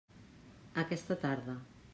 Aquesta tarda.